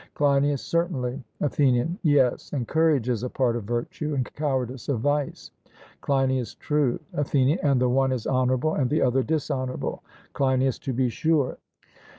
CLEINIAS: Certainly. ATHENIAN: Yes; and courage is a part of virtue, and cowardice of vice? CLEINIAS: True. ATHENIAN: And the one is honourable, and the other dishonourable? CLEINIAS: To be sure.